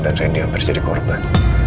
dan renny hampir jadi korban